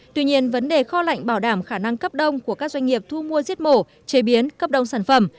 tuy nhiên vấn đề kho lạnh bảo đảm khả năng cấp đông của các doanh nghiệp thu mua giết mổ chế biến cấp đông sản phẩm